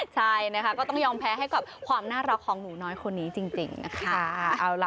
ใช่นะคะก็ต้องยอมแพ้ให้กับความน่ารักของหนูน้อยคนนี้จริงนะคะ